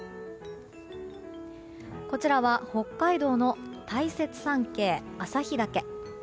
こちらは北海道の大雪山系、旭岳。